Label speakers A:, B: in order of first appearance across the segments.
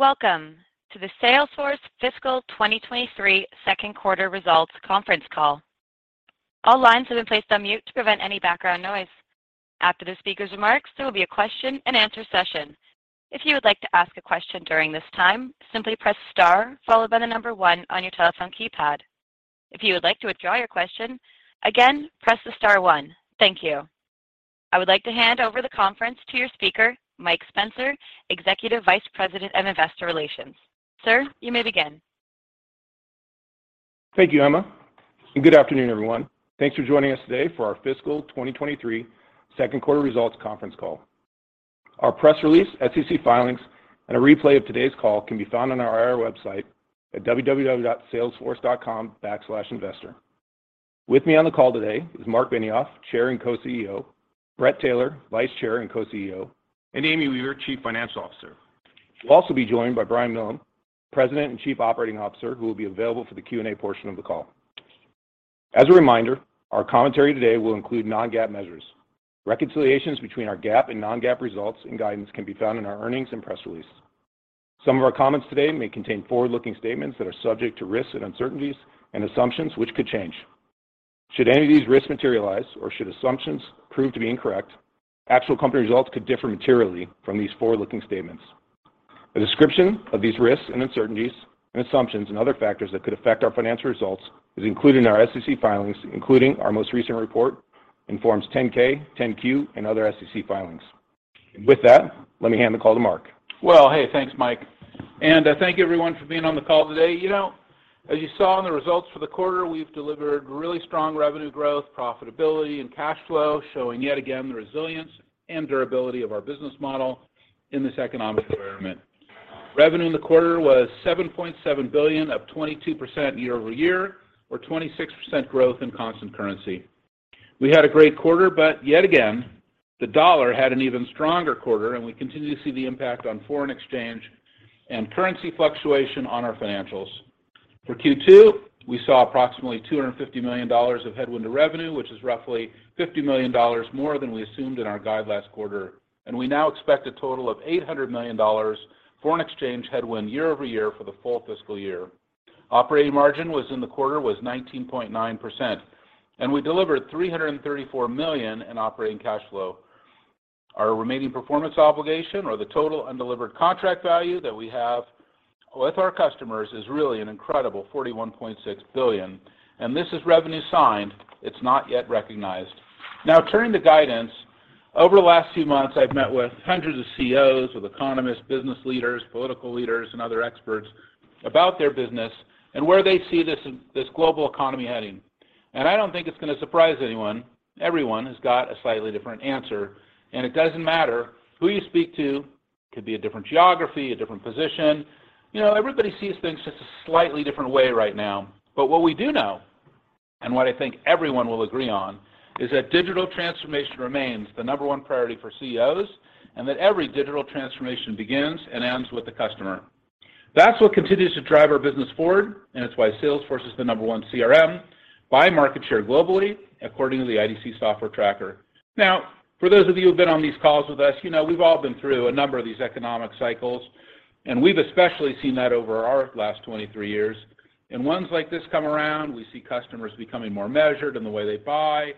A: Welcome to the Salesforce Fiscal 2023 Second Quarter Results Conference Call. All lines have been placed on mute to prevent any background noise. After the speaker's remarks, there will be a question-and-answer session. If you would like to ask a question during this time, simply press star followed by the number one on your telephone keypad. If you would like to withdraw your question, again, press the star one. Thank you. I would like to hand over the conference to your speaker, Mike Spencer, Executive Vice President and Investor Relations. Sir, you may begin.
B: Thank you, Emma, and good afternoon, everyone. Thanks for joining us today for our fiscal 2023 second quarter results conference call. Our press release, SEC filings, and a replay of today's call can be found on our website at www.salesforce.com/investor. With me on the call today is Marc Benioff, Chair and Co-CEO, Bret Taylor, Vice Chair and Co-CEO, and Amy Weaver, Chief Financial Officer. We'll also be joined by Brian Millham, President and Chief Operating Officer, who will be available for the Q&A portion of the call. As a reminder, our commentary today will include non-GAAP measures. Reconciliations between our GAAP and non-GAAP results and guidance can be found in our earnings and press release. Some of our comments today may contain forward-looking statements that are subject to risks and uncertainties and assumptions which could change. Should any of these risks materialize or should assumptions prove to be incorrect, actual company results could differ materially from these forward-looking statements. A description of these risks and uncertainties and assumptions and other factors that could affect our financial results is included in our SEC filings, including our most recent report in Forms 10-K, 10-Q, and other SEC filings. With that, let me hand the call to Marc.
C: Well, hey, thanks, Mike. Thank you everyone for being on the call today. You know, as you saw in the results for the quarter, we've delivered really strong revenue growth, profitability, and cash flow, showing yet again the resilience and durability of our business model in this economic environment. Revenue in the quarter was $7.7 billion, up 22% year-over-year, or 26% growth in constant currency. We had a great quarter, but yet again, the dollar had an even stronger quarter, and we continue to see the impact on foreign exchange and currency fluctuation on our financials. For Q2, we saw approximately $250 million of headwind to revenue, which is roughly $50 million more than we assumed in our guide last quarter. We now expect a total of $800 million foreign exchange headwind year over year for the full fiscal year. Operating margin was in the quarter 19.9%, and we delivered $334 million in operating cash flow. Our remaining performance obligation or the total undelivered contract value that we have with our customers is really an incredible $41.6 billion. This is revenue signed. It's not yet recognized. Now turning to guidance. Over the last few months, I've met with hundreds of CEOs, with economists, business leaders, political leaders, and other experts about their business and where they see this global economy heading. I don't think it's going to surprise anyone. Everyone has got a slightly different answer, and it doesn't matter who you speak to. It could be a different geography, a different position. You know, everybody sees things just a slightly different way right now. What we do know, and what I think everyone will agree on, is that digital transformation remains the number one priority for CEOs, and that every digital transformation begins and ends with the customer. That's what continues to drive our business forward, and it's why Salesforce is the number one CRM by market share globally, according to the IDC Software Tracker. Now, for those of you who've been on these calls with us, you know we've all been through a number of these economic cycles, and we've especially seen that over our last 23 years. Ones like this come around, we see customers becoming more measured in the way they buy.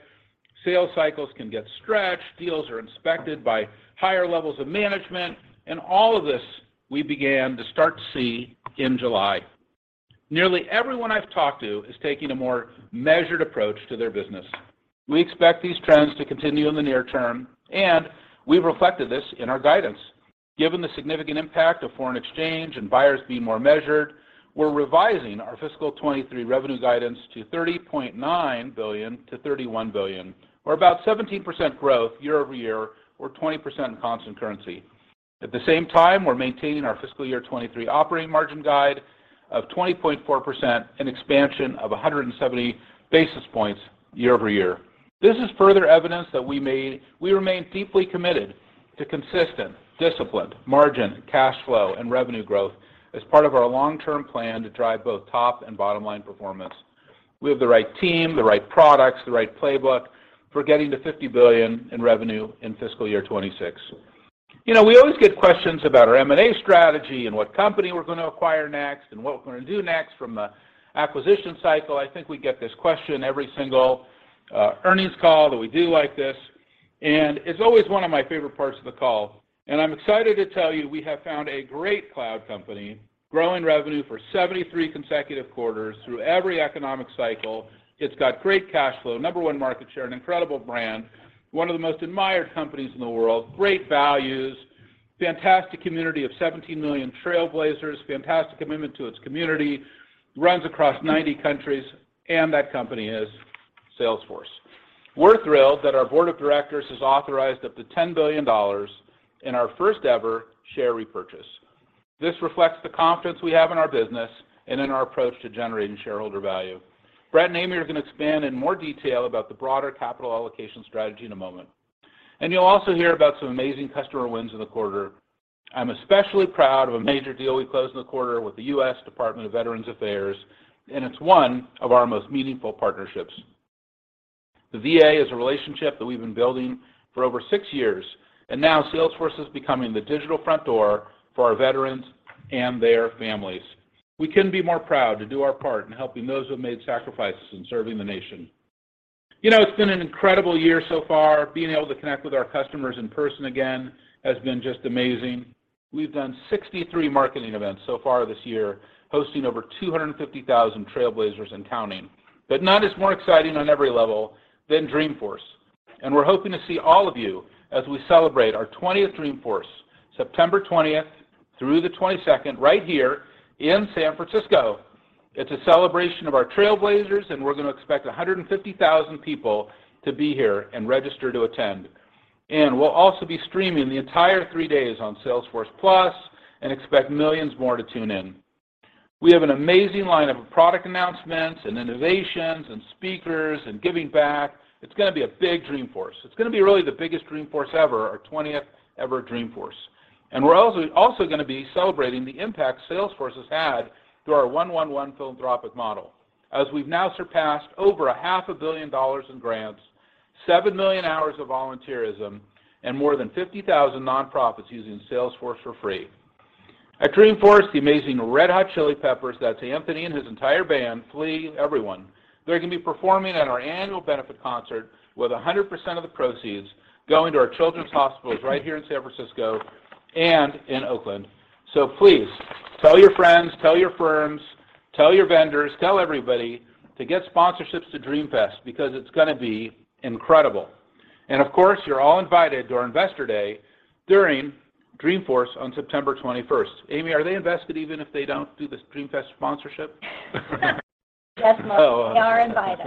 C: Sales cycles can get stretched. Deals are inspected by higher levels of management. All of this we began to see in July. Nearly everyone I've talked to is taking a more measured approach to their business. We expect these trends to continue in the near term, and we've reflected this in our guidance. Given the significant impact of foreign exchange and buyers being more measured, we're revising our fiscal 2023 revenue guidance to $30.9 billion-$31 billion, or about 17% growth year-over-year, or 20% in constant currency. At the same time, we're maintaining our fiscal year 2023 operating margin guide of 20.4%, an expansion of 170 basis points year-over-year. This is further evidence that we remain deeply committed to consistent, disciplined margin, cash flow, and revenue growth as part of our long-term plan to drive both top and bottom line performance. We have the right team, the right products, the right playbook for getting to $50 billion in revenue in fiscal year 2026. You know, we always get questions about our M&A strategy and what company we're going to acquire next and what we're going to do next from the acquisition cycle. I think we get this question every single earnings call that we do like this, and it's always one of my favorite parts of the call. I'm excited to tell you we have found a great cloud company growing revenue for 73 consecutive quarters through every economic cycle. It's got great cash flow, number one market share, an incredible brand, one of the most admired companies in the world, great values, fantastic community of 17 million trailblazers, fantastic commitment to its community, runs across 90 countries, and that company is Salesforce. We're thrilled that our board of directors has authorized up to $10 billion in our first-ever share repurchase. This reflects the confidence we have in our business and in our approach to generating shareholder value. Bret and Amy are going to expand in more detail about the broader capital allocation strategy in a moment. You'll also hear about some amazing customer wins in the quarter. I'm especially proud of a major deal we closed in the quarter with the US Department of Veterans Affairs, and it's one of our most meaningful partnerships. The VA is a relationship that we've been building for over six years, and now Salesforce is becoming the digital front door for our veterans and their families. We couldn't be more proud to do our part in helping those who have made sacrifices in serving the nation. You know, it's been an incredible year so far. Being able to connect with our customers in person again has been just amazing. We've done 63 marketing events so far this year, hosting over 250,000 trailblazers and counting. None is more exciting on every level than Dreamforce, and we're hoping to see all of you as we celebrate our 20th Dreamforce, September 20th through the 22nd, right here in San Francisco. It's a celebration of our trailblazers, and we're gonna expect 150,000 people to be here and register to attend. We'll also be streaming the entire three days on Salesforce+ and expect millions more to tune in. We have an amazing line of product announcements, and innovations, and speakers, and giving back. It's gonna be a big Dreamforce. It's gonna be really the biggest Dreamforce ever, our 20th ever Dreamforce. We're also gonna be celebrating the impact Salesforce has had through our one-one-one philanthropic model, as we've now surpassed over $0.5 billion in grants, 7 million hours of volunteerism, and more than 50,000 nonprofits using Salesforce for free. At Dreamforce, the amazing Red Hot Chili Peppers, that's Anthony and his entire band, Flea, everyone, they're gonna be performing at our annual benefit concert, with 100% of the proceeds going to our children's hospitals right here in San Francisco and in Oakland. Please tell your friends, tell your firms, tell your vendors, tell everybody to get sponsorships to Dreamfest because it's gonna be incredible. Of course, you're all invited to our Investor Day during Dreamforce on September 21st. Amy, are they invested even if they don't do the Dreamfest sponsorship?
D: Yes, Marc, they are invited.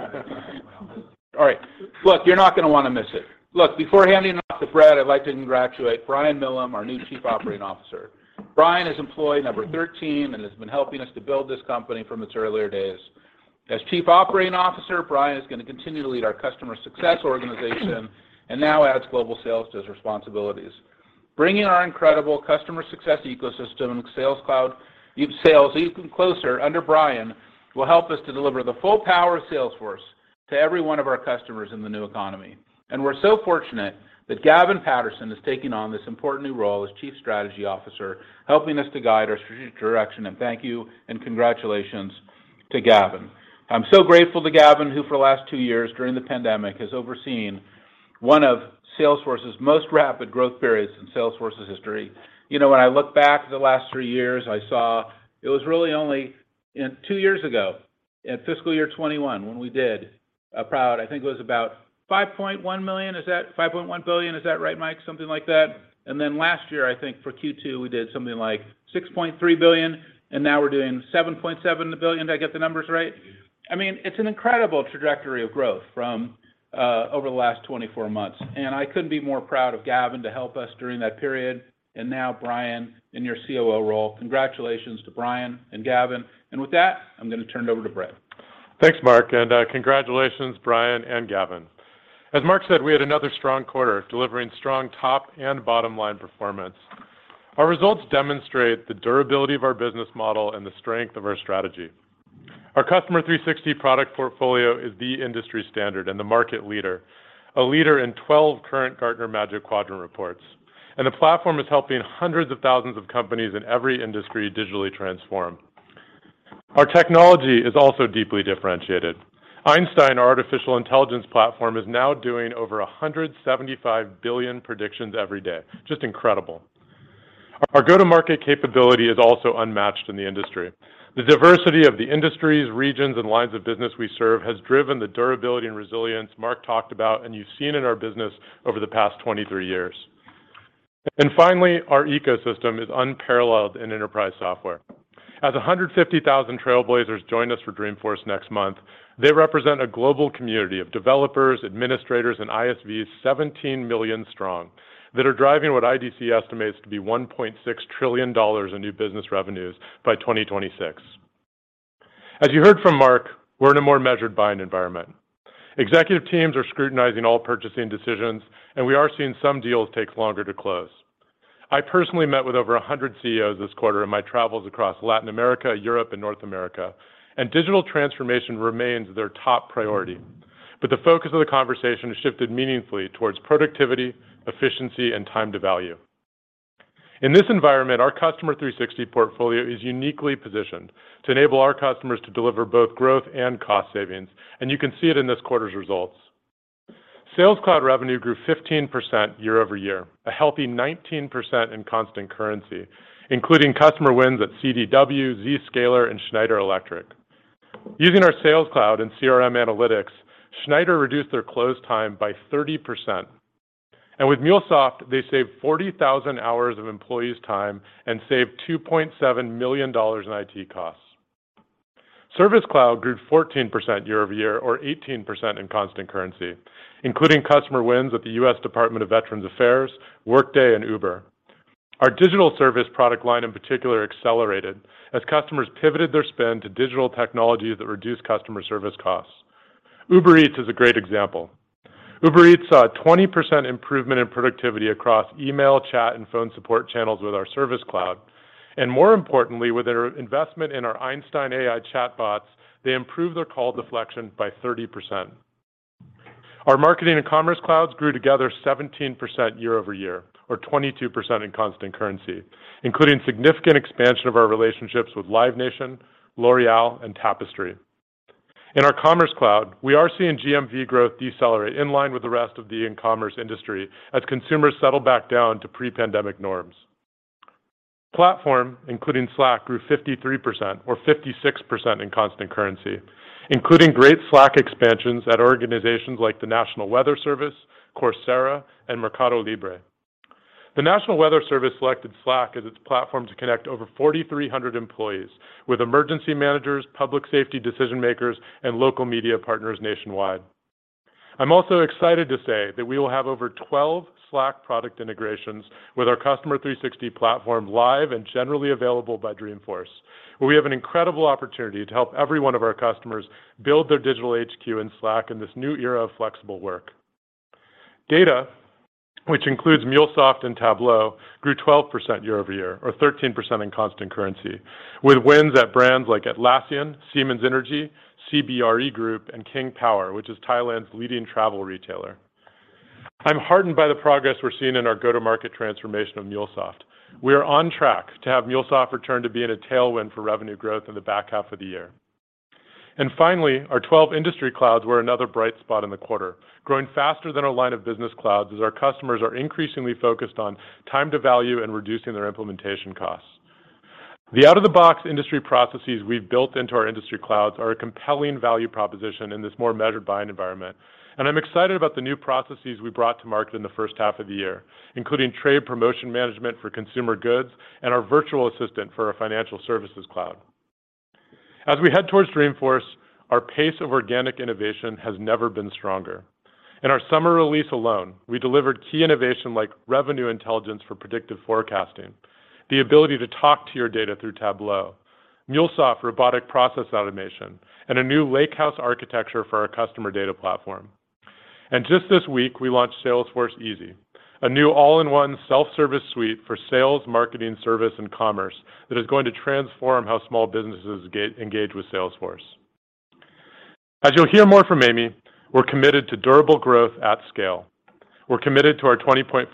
C: All right. Look, you're not gonna wanna miss it. Look, before handing it off to Brad, I'd like to congratulate Brian Millham, our new Chief Operating Officer. Brian is employee number 13 and has been helping us to build this company from its earlier days. As Chief Operating Officer, Brian is gonna continue to lead our customer success organization and now adds global sales to his responsibilities. Bringing our incredible customer success ecosystem, Sales Cloud sales, even closer under Brian will help us to deliver the full power of Salesforce to every one of our customers in the new economy. We're so fortunate that Gavin Patterson has taken on this important new role as Chief Strategy Officer, helping us to guide our strategic direction, and thank you and congratulations to Gavin. I'm so grateful to Gavin, who for the last two years during the pandemic, has overseen one of Salesforce's most rapid growth periods in Salesforce's history. You know, when I look back at the last three years, I saw it was really only in two years ago in fiscal year 2021 when we did a proud. I think it was about $5.1 billion. Is that right, Mike? Something like that. Then last year, I think for Q2, we did something like $6.3 billion, and now we're doing $7.7 billion. Did I get the numbers right? I mean, it's an incredible trajectory of growth from over the last 24 months, and I couldn't be more proud of Gavin to help us during that period. Now, Brian, in your COO role, congratulations to Brian and Gavin. With that, I'm gonna turn it over to Bret.
E: Thanks, Marc, and congratulations, Brian and Gavin. As Marc said, we had another strong quarter, delivering strong top and bottom line performance. Our results demonstrate the durability of our business model and the strength of our strategy. Our Customer 360 product portfolio is the industry standard and the market leader, a leader in 12 current Gartner Magic Quadrant reports. The platform is helping hundreds of thousands of companies in every industry digitally transform. Our technology is also deeply differentiated. Einstein artificial intelligence platform is now doing over 175 billion predictions every day. Just incredible. Our go-to-market capability is also unmatched in the industry. The diversity of the industries, regions, and lines of business we serve has driven the durability and resilience Marc talked about and you've seen in our business over the past 23 years. Finally, our ecosystem is unparalleled in enterprise software. As 150,000 trailblazers join us for Dreamforce next month, they represent a global community of developers, administrators, and ISVs 17 million strong that are driving what IDC estimates to be $1.6 trillion in new business revenues by 2026. As you heard from Marc, we're in a more measured buying environment. Executive teams are scrutinizing all purchasing decisions, and we are seeing some deals take longer to close. I personally met with over 100 CEOs this quarter in my travels across Latin America, Europe, and North America, and digital transformation remains their top priority. The focus of the conversation has shifted meaningfully towards productivity, efficiency, and time to value. In this environment, our Customer 360 portfolio is uniquely positioned to enable our customers to deliver both growth and cost savings, and you can see it in this quarter's results. Sales Cloud revenue grew 15% year-over-year, a healthy 19% in constant currency, including customer wins at CDW, Zscaler, and Schneider Electric. Using our Sales Cloud and CRM Analytics, Schneider reduced their close time by 30%. With MuleSoft, they saved 40,000 hours of employees' time and saved $2.7 million in IT costs. Service Cloud grew 14% year-over-year or 18% in constant currency, including customer wins at the US Department of Veterans Affairs, Workday, and Uber. Our digital service product line, in particular, accelerated as customers pivoted their spend to digital technologies that reduced customer service costs. Uber Eats is a great example. Uber Eats saw a 20% improvement in productivity across email, chat, and phone support channels with our Service Cloud. More importantly, with their investment in our Einstein AI chatbots, they improved their call deflection by 30%. Our Marketing and Commerce Clouds grew together 17% year-over-year or 22% in constant currency, including significant expansion of our relationships with Live Nation, L'Oréal, and Tapestry. In our Commerce Cloud, we are seeing GMV growth decelerate in line with the rest of the e-commerce industry as consumers settle back down to pre-pandemic norms. Platform, including Slack, grew 53% or 56% in constant currency, including great Slack expansions at organizations like the National Weather Service, Coursera, and Mercado Libre. The National Weather Service selected Slack as its platform to connect over 4,300 employees with emergency managers, public safety decision-makers, and local media partners nationwide. I'm also excited to say that we will have over 12 Slack product integrations with our Customer 360 platform live and generally available by Dreamforce, where we have an incredible opportunity to help every one of our customers build their digital HQ in Slack in this new era of flexible work. Data, which includes MuleSoft and Tableau, grew 12% year-over-year or 13% in constant currency with wins at brands like Atlassian, Siemens Energy, CBRE Group, and King Power, which is Thailand's leading travel retailer. I'm heartened by the progress we're seeing in our go-to-market transformation of MuleSoft. We are on track to have MuleSoft return to being a tailwind for revenue growth in the back half of the year. Finally, our 12 industry clouds were another bright spot in the quarter, growing faster than our line of business clouds as our customers are increasingly focused on time to value and reducing their implementation costs. The out-of-the-box industry processes we've built into our industry clouds are a compelling value proposition in this more measured buying environment. I'm excited about the new processes we brought to market in the first half of the year, including trade promotion management for consumer goods and our virtual assistant for our Financial Services Cloud. As we head towards Dreamforce, our pace of organic innovation has never been stronger. In our summer release alone, we delivered key innovation like Revenue Intelligence for predictive forecasting, the ability to talk to your data through Tableau, MuleSoft Robotic Process Automation, and a new lakehouse architecture for our Customer Data Platform. Just this week, we launched Salesforce Easy, a new all-in-one self-service suite for sales, marketing, service, and commerce that is going to transform how small businesses engage with Salesforce. As you'll hear more from Amy, we're committed to durable growth at scale. We're committed to our 20.4%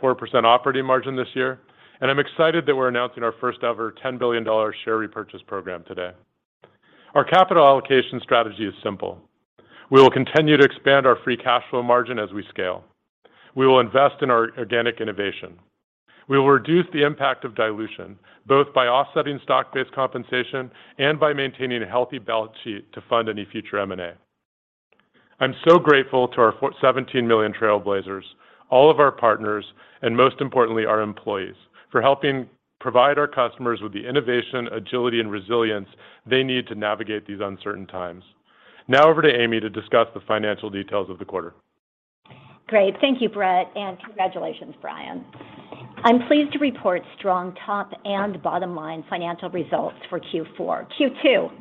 E: operating margin this year, and I'm excited that we're announcing our first ever $10 billion share repurchase program today. Our capital allocation strategy is simple. We will continue to expand our free cash flow margin as we scale. We will invest in our organic innovation. We will reduce the impact of dilution, both by offsetting stock-based compensation and by maintaining a healthy balance sheet to fund any future M&A. I'm so grateful to our 17 million trailblazers, all of our partners, and most importantly, our employees, for helping provide our customers with the innovation, agility, and resilience they need to navigate these uncertain times. Now over to Amy to discuss the financial details of the quarter.
D: Great. Thank you, Bret, and congratulations, Brian. I'm pleased to report strong top and bottom line financial results in Q2.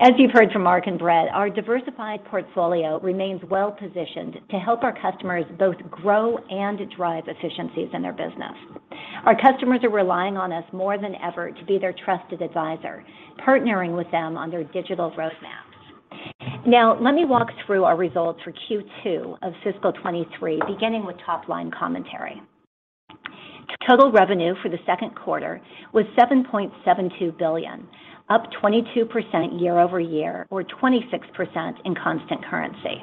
D: As you've heard from Marc and Bret, our diversified portfolio remains well-positioned to help our customers both grow and drive efficiencies in their business. Our customers are relying on us more than ever to be their trusted advisor, partnering with them on their digital roadmaps. Now let me walk through our results for Q2 of fiscal 2023, beginning with top-line commentary. Total revenue for the second quarter was $7.72 billion, up 22% year-over-year or 26% in constant currency.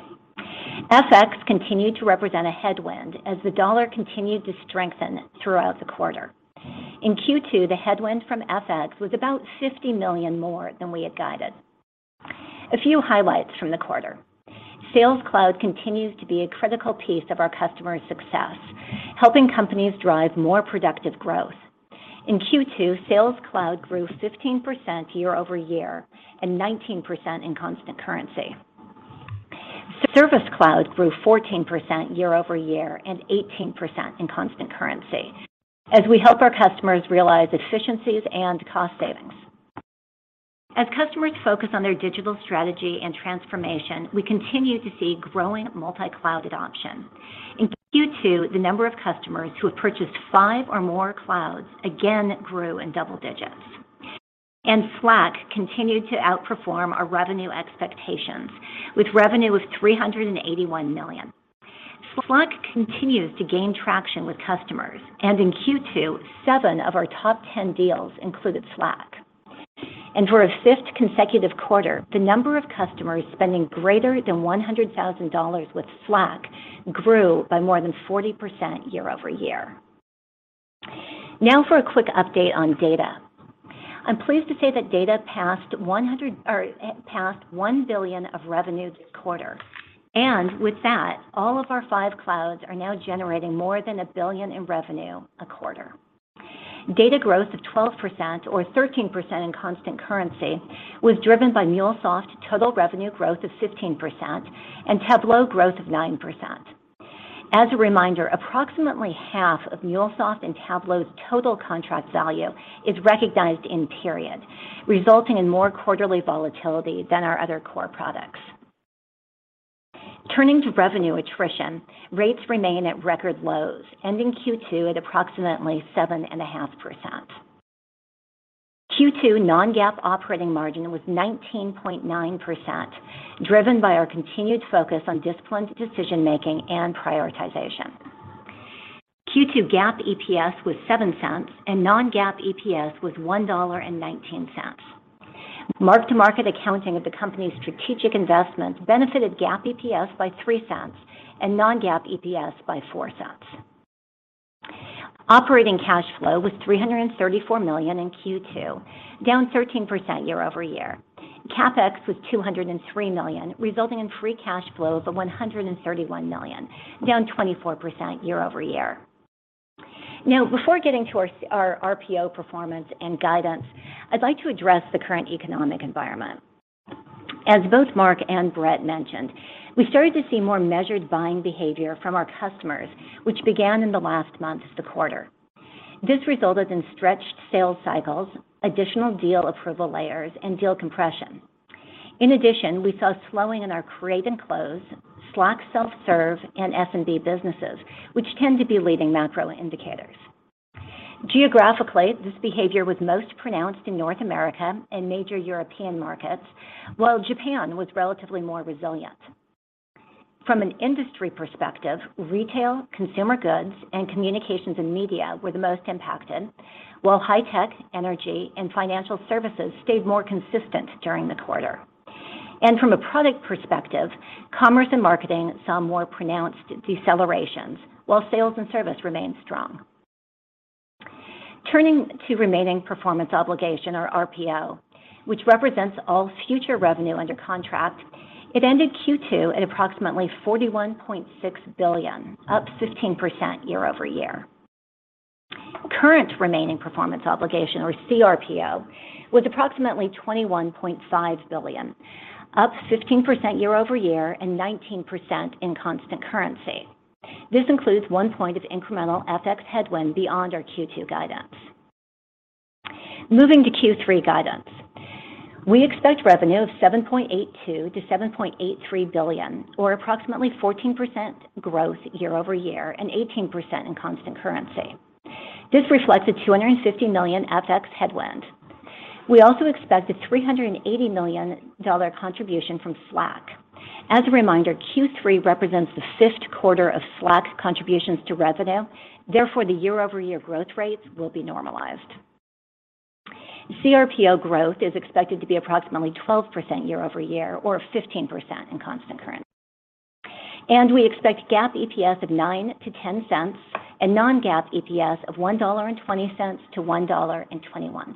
D: FX continued to represent a headwind as the dollar continued to strengthen throughout the quarter. In Q2, the headwind from FX was about $50 million more than we had guided. A few highlights from the quarter. Sales Cloud continues to be a critical piece of our customers' success, helping companies drive more productive growth. In Q2, Sales Cloud grew 15% year-over-year and 19% in constant currency. Service Cloud grew 14% year-over-year and 18% in constant currency as we help our customers realize efficiencies and cost savings. As customers focus on their digital strategy and transformation, we continue to see growing multi-cloud adoption. In Q2, the number of customers who have purchased five or more clouds again grew in double digits. Slack continued to outperform our revenue expectations with revenue of $381 million. Slack continues to gain traction with customers, and in Q2, seven of our top 10 deals included Slack. For a fifth consecutive quarter, the number of customers spending greater than $100,000 with Slack grew by more than 40% year-over-year. Now for a quick update on data. I'm pleased to say that Data passed $1 billion in revenue this quarter. With that, all of our five clouds are now generating more than $1 billion in revenue a quarter. Data growth of 12% or 13% in constant currency was driven by MuleSoft total revenue growth of 15% and Tableau growth of 9%. As a reminder, approximately half of MuleSoft and Tableau's total contract value is recognized in period, resulting in more quarterly volatility than our other core products. Turning to revenue attrition, rates remain at record lows, ending Q2 at approximately 7.5%. Q2 non-GAAP operating margin was 19.9%, driven by our continued focus on disciplined decision-making and prioritization. Q2 GAAP EPS was $0.07, and non-GAAP EPS was $1.19. Mark-to-market accounting of the company's strategic investments benefited GAAP EPS by $0.03 and non-GAAP EPS by $0.04. Operating cash flow was $334 million in Q2, down 13% year-over-year. CapEx was $203 million, resulting in free cash flow of $131 million, down 24% year-over-year. Now, before getting to our RPO performance and guidance, I'd like to address the current economic environment. As both Marc and Bret mentioned, we started to see more measured buying behavior from our customers, which began in the last month of the quarter. This resulted in stretched sales cycles, additional deal approval layers, and deal compression. In addition, we saw slowing in our create and close, Slack self-serve, and SMB businesses, which tend to be leading macro indicators. Geographically, this behavior was most pronounced in North America and major European markets, while Japan was relatively more resilient. From an industry perspective, retail, consumer goods, and communications and media were the most impacted, while high-tech, energy, and financial services stayed more consistent during the quarter. From a product perspective, commerce and marketing saw more pronounced decelerations, while sales and service remained strong. Turning to remaining performance obligation or RPO, which represents all future revenue under contract, it ended Q2 at approximately $41.6 billion, up 15% year-over-year. Current remaining performance obligation or CRPO was approximately $21.5 billion, up 15% year-over-year and 19% in constant currency. This includes 1 point of incremental FX headwind beyond our Q2 guidance. Moving to Q3 guidance. We expect revenue of $7.82 billion-$7.83 billion, or approximately 14% growth year-over-year and 18% in constant currency. This reflects a $250 million FX headwind. We also expect a $380 million contribution from Slack. As a reminder, Q3 represents the fifth quarter of Slack's contributions to revenue, therefore the year-over-year growth rates will be normalized. CRPO growth is expected to be approximately 12% year-over-year or 15% in constant currency. We expect GAAP EPS of $0.09-$0.10 and non-GAAP EPS of $1.20-$1.21.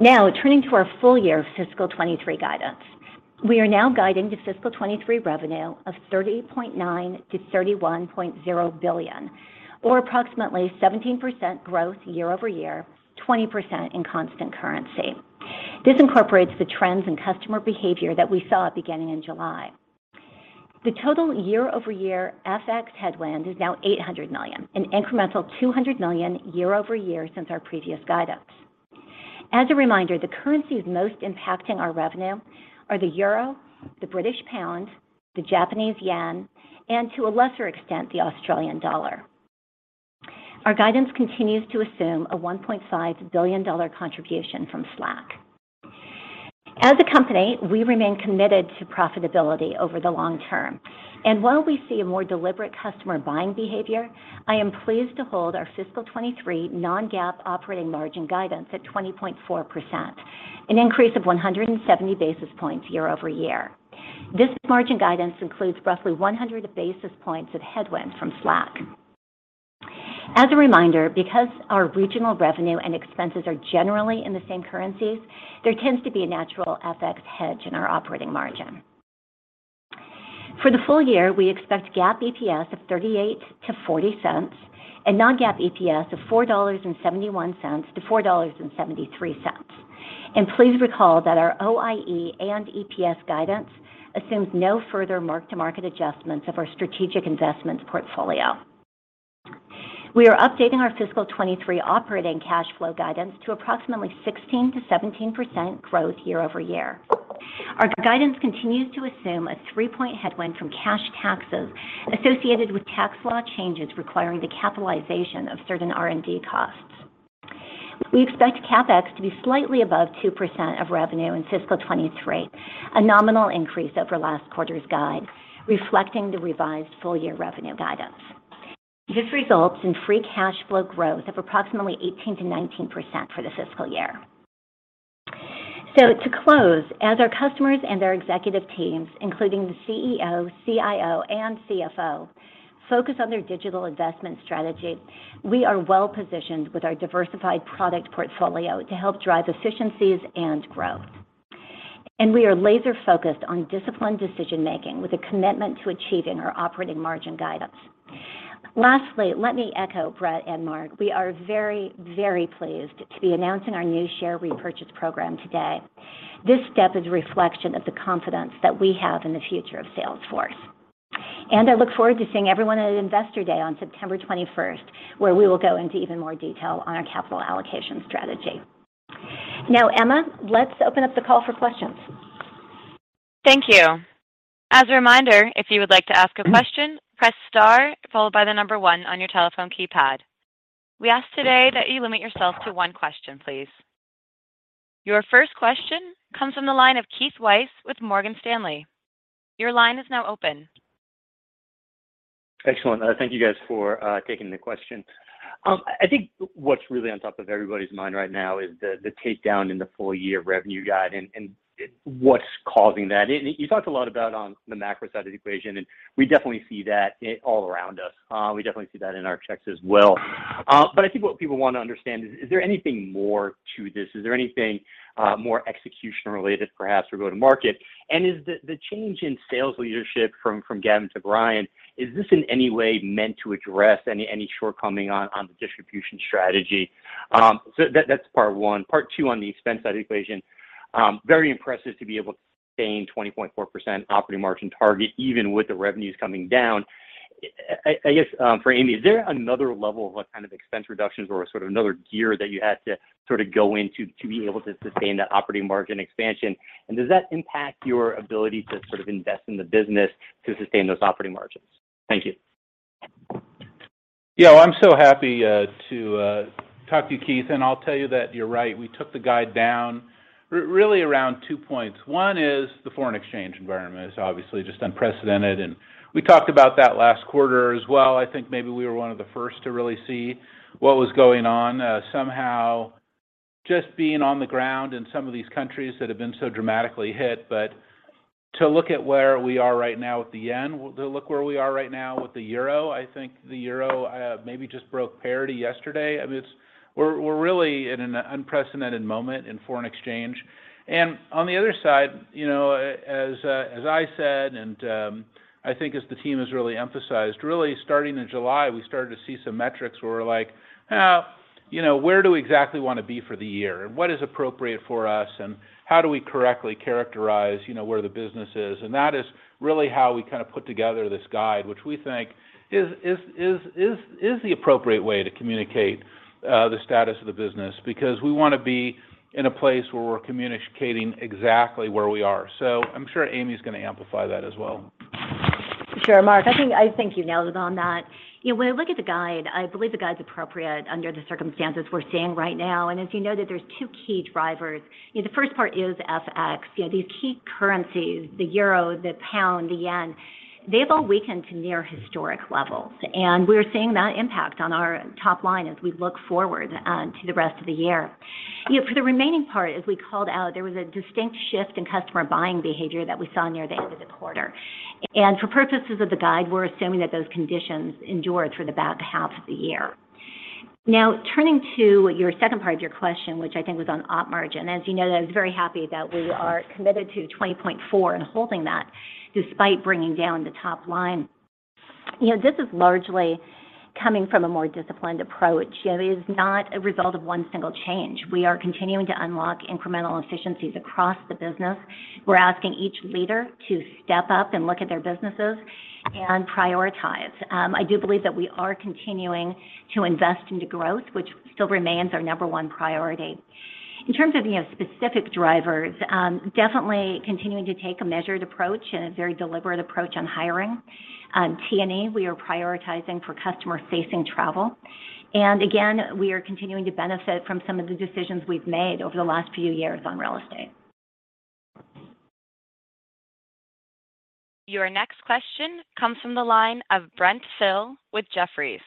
D: Now, turning to our full year fiscal 2023 guidance. We are now guiding to fiscal 2023 revenue of $30.9 billion-$31.0 billion, or approximately 17% growth year-over-year, 20% in constant currency. This incorporates the trends in customer behavior that we saw beginning in July. The total year-over-year FX headwind is now $800 million, an incremental $200 million year-over-year since our previous guidance. As a reminder, the currencies most impacting our revenue are the euro, the British pound, the Japanese yen, and to a lesser extent, the Australian dollar. Our guidance continues to assume a $1.5 billion contribution from Slack. As a company, we remain committed to profitability over the long term. While we see a more deliberate customer buying behavior, I am pleased to hold our fiscal 2023 non-GAAP operating margin guidance at 20.4%, an increase of 170 basis points year-over-year. This margin guidance includes roughly 100 basis points of headwind from Slack. As a reminder, because our regional revenue and expenses are generally in the same currencies, there tends to be a natural FX hedge in our operating margin. For the full year, we expect GAAP EPS of $0.38-$0.40 and non-GAAP EPS of $4.71-$4.73. Please recall that our OIE and EPS guidance assumes no further mark-to-market adjustments of our strategic investments portfolio. We are updating our fiscal 2023 operating cash flow guidance to approximately 16%-17% growth year-over-year. Our guidance continues to assume a 3-point headwind from cash taxes associated with tax law changes requiring the capitalization of certain R&D costs. We expect CapEx to be slightly above 2% of revenue in fiscal 2023, a nominal increase over last quarter's guide, reflecting the revised full-year revenue guidance. This results in free cash flow growth of approximately 18%-19% for the fiscal year. To close, as our customers and their executive teams, including the CEO, CIO, and CFO, focus on their digital investment strategy, we are well-positioned with our diversified product portfolio to help drive efficiencies and growth. We are laser-focused on disciplined decision-making with a commitment to achieving our operating margin guidance. Lastly, let me echo Bret and Marc. We are very, very pleased to be announcing our new share repurchase program today. This step is a reflection of the confidence that we have in the future of Salesforce. I look forward to seeing everyone at Investor Day on September 21st, where we will go into even more detail on our capital allocation strategy. Now, Emma, let's open up the call for questions.
A: Thank you. As a reminder, if you would like to ask a question, press star followed by the number one on your telephone keypad. We ask today that you limit yourself to one question, please. Your first question comes from the line of Keith Weiss with Morgan Stanley. Your line is now open.
F: Excellent. Thank you guys for taking the question. I think what's really on top of everybody's mind right now is the takedown in the full year revenue guide and what's causing that. You talked a lot about on the macro side of the equation, and we definitely see that all around us. We definitely see that in our checks as well. But I think what people want to understand is there anything more to this? Is there anything more execution-related perhaps, or go-to-market? Is the change in sales leadership from Gavin to Brian, is this in any way meant to address any shortcoming on the distribution strategy? That's part one. Part two on the expense side of the equation, very impressive to be able to sustain 20.4% operating margin target even with the revenues coming down. I guess for Amy, is there another level of what kind of expense reductions or sort of another gear that you had to sort of go into to be able to sustain that operating margin expansion? Does that impact your ability to sort of invest in the business to sustain those operating margins? Thank you.
C: Yeah. I'm so happy to talk to you, Keith, and I'll tell you that you're right. We took the guide down really around two points. One is the foreign exchange environment is obviously just unprecedented, and we talked about that last quarter as well. I think maybe we were one of the first to really see what was going on. Somehow just being on the ground in some of these countries that have been so dramatically hit, but to look at where we are right now with the yen, to look where we are right now with the euro, I think the euro maybe just broke parity yesterday. I mean, it's. We're really in an unprecedented moment in foreign exchange. On the other side, you know, as I said, I think as the team has really emphasized, really starting in July, we started to see some metrics where we're like, "Well, you know, where do we exactly want to be for the year? What is appropriate for us, and how do we correctly characterize, you know, where the business is?" That is really how we kind of put together this guide, which we think is the appropriate way to communicate the status of the business because we wanna be in a place where we're communicating exactly where we are. I'm sure Amy's gonna amplify that as well.
D: Sure. Marc, I think you nailed it on that. You know, when I look at the guide, I believe the guide's appropriate under the circumstances we're seeing right now. As you know that there's two key drivers. You know, the first part is FX. You know, these key currencies, the euro, the pound, the yen, they've all weakened to near historic levels, and we're seeing that impact on our top line as we look forward to the rest of the year. You know, for the remaining part, as we called out, there was a distinct shift in customer buying behavior that we saw near the end of the quarter. For purposes of the guide, we're assuming that those conditions endured for about half of the year. Now, turning to your second part of your question, which I think was on Op margin. As you know, I was very happy that we are committed to 20.4% and holding that despite bringing down the top line. You know, this is largely coming from a more disciplined approach. You know, it is not a result of one single change. We are continuing to unlock incremental efficiencies across the business. We're asking each leader to step up and look at their businesses and prioritize. I do believe that we are continuing to invest into growth, which still remains our number one priority. In terms of, you know, specific drivers, definitely continuing to take a measured approach and a very deliberate approach on hiring. T&A, we are prioritizing for customer-facing travel. Again, we are continuing to benefit from some of the decisions we've made over the last few years on real estate.
A: Your next question comes from the line of Brent Thill with Jefferies.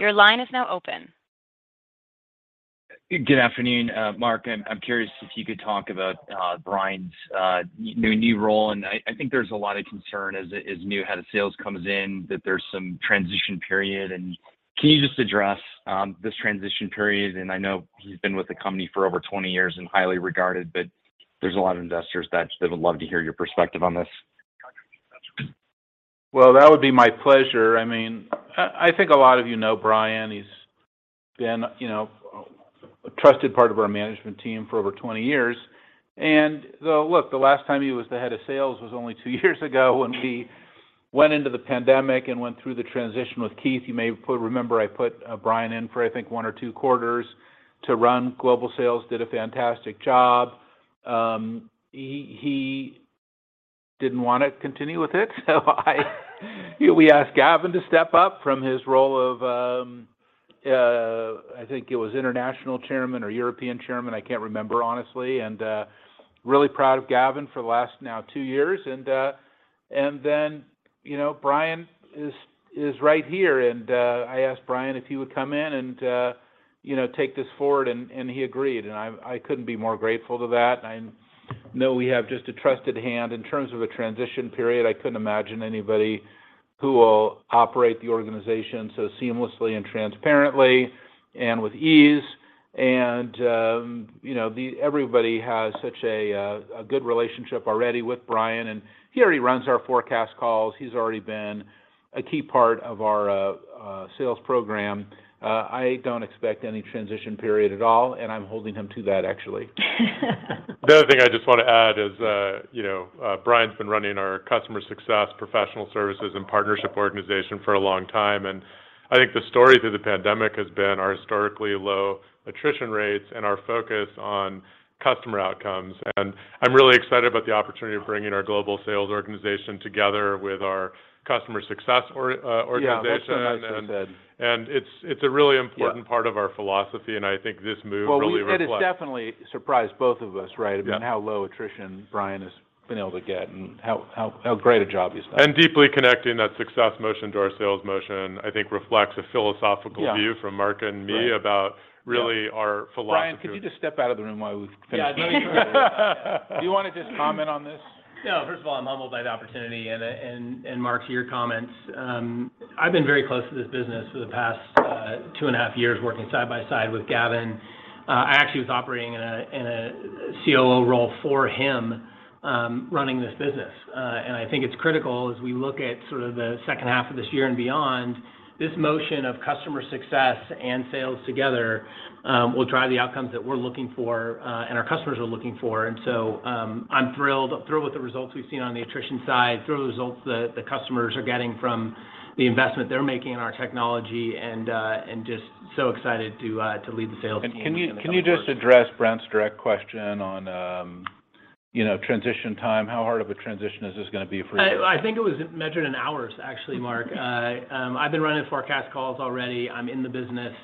A: Your line is now open.
G: Good afternoon, Marc. I'm curious if you could talk about Brian's new role, and I think there's a lot of concern as new head of sales comes in that there's some transition period. Can you just address this transition period? I know he's been with the company for over 20 years and highly regarded, but there's a lot of investors that they would love to hear your perspective on this.
C: Well, that would be my pleasure. I mean, I think a lot of you know Brian. He's been, you know, a trusted part of our management team for over 20 years. Look, the last time he was the head of sales was only two years ago when we went into the pandemic and went through the transition with Keith. You may remember I put Brian in for, I think, one or two quarters to run global sales. Did a fantastic job. He didn't wanna continue with it, so we asked Gavin to step up from his role of, I think it was international chairman or European chairman, I can't remember, honestly. Then, you know, Brian is right here. I asked Brian if he would come in and you know, take this forward and he agreed, and I couldn't be more grateful to that. I know we have just a trusted hand. In terms of a transition period, I couldn't imagine anybody who will operate the organization so seamlessly and transparently and with ease. You know, everybody has such a good relationship already with Brian, and he already runs our forecast calls. He's already been a key part of our sales program. I don't expect any transition period at all, and I'm holding him to that, actually.
E: The other thing I just want to add is, you know, Brian's been running our customer success, professional services, and partnership organization for a long time. I think the story through the pandemic has been our historically low attrition rates and our focus on customer outcomes. I'm really excited about the opportunity to bring in our global sales organization together with our customer success organization.
C: Yeah, well said. Nicely said.
E: It's a really important.
C: Yeah.
E: Part of our philosophy, and I think this move really reflects.
C: Well, it's definitely surprised both of us, right?
E: Yeah.
C: I mean, how low attrition Brian has been able to get and how great a job he's done.
E: Deeply connecting that success motion to our sales motion, I think reflects a philosophical view.
C: Yeah.
E: From Marc Benioff and me.
C: Right.
E: About really our philosophy.
C: Brian, could you just step out of the room while we finish? Do you wanna just comment on this?
H: No. First of all, I'm humbled by the opportunity and Marc, to your comments, I've been very close to this business for the past 2.5 years working side by side with Gavin. I actually was operating in a COO role for him, running this business. I think it's critical as we look at sort of the second half of this year and beyond, this motion of customer success and sales together will drive the outcomes that we're looking for and our customers are looking for. I'm thrilled with the results we've seen on the attrition side, thrilled with the results the customers are getting from the investment they're making in our technology and just so excited to lead the sales team in the coming quarters.
C: Can you just address Brent's direct question on, you know, transition time? How hard of a transition is this gonna be for you?
H: I think it was measured in hours, actually, Marc. I've been running forecast calls already. I'm in the business,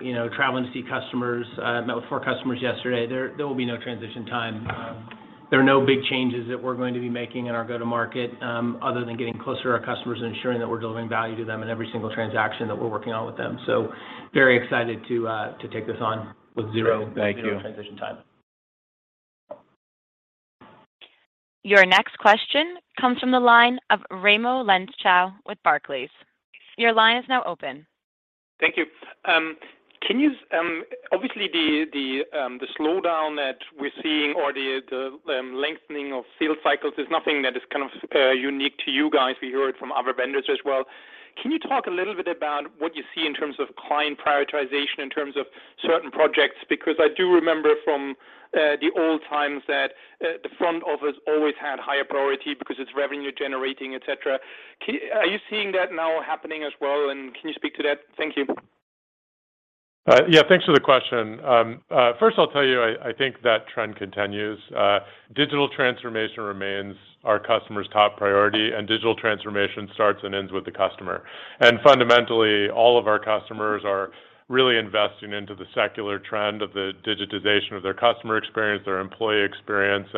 H: you know, traveling to see customers. I met with four customers yesterday. There will be no transition time. There are no big changes that we're going to be making in our go-to-market, other than getting closer to our customers and ensuring that we're delivering value to them in every single transaction that we're working on with them. Very excited to take this on with zero.
C: Thank you.
H: Zero transition time.
A: Your next question comes from the line of Raimo Lenschow with Barclays. Your line is now open.
I: Thank you. Can you obviously the slowdown that we're seeing or the lengthening of sales cycles is nothing that is kind of unique to you guys. We hear it from other vendors as well. Can you talk a little bit about what you see in terms of client prioritization in terms of certain projects? Because I do remember from the old times that the front office always had higher priority because it's revenue generating, et cetera. Are you seeing that now happening as well, and can you speak to that? Thank you.
E: Yeah. Thanks for the question. First I'll tell you, I think that trend continues. Digital transformation remains our customers' top priority, and digital transformation starts and ends with the customer. Fundamentally, all of our customers are really investing into the secular trend of the digitization of their customer experience, their employee experience.